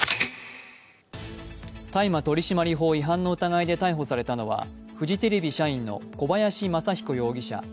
大麻取締法違反の疑いで逮捕されたのはフジテレビ社員の小林正彦容疑者